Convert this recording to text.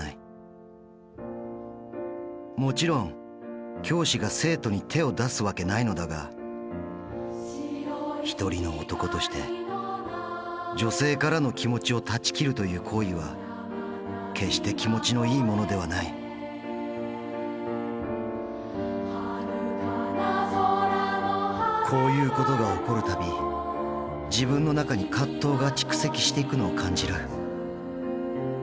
もちろん教師が生徒に手を出すわけないのだが一人の男として女性からの気持ちを断ち切るという行為は決して気持ちのいいものではないこういうことが起こる度自分の中に葛藤が蓄積していくのを感じる。